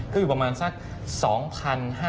ก็อยู่ประมาณสัก๒๕๐๐บาท